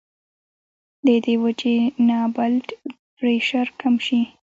د دې وجې نه بلډ پرېشر کم شي